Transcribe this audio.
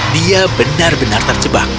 dia benar benar terjebak